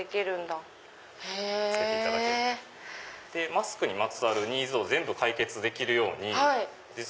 マスクにまつわるニーズを全部解決できるように。